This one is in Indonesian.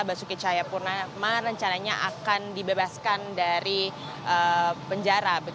basuki cahaya purnama rencananya akan dibebaskan dari penjara